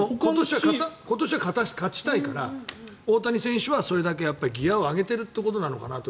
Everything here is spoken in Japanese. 今年は勝ちたいから大谷選手はそれだけギアを上げてるということなのかなと。